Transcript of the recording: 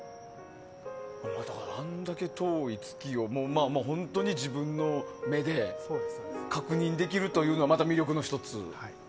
あんだけ遠い月を本当に自分の目で確認できるというのもまた魅力の１つ。